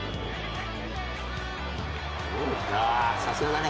ああさすがだね。